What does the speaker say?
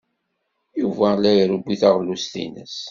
Yuba la irewwi taɣlust-nnes.